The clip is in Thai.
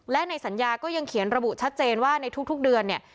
และในสัญญาก็ยังเขียนระบุชัดเจนว่าในทุกเดือนเนี่ย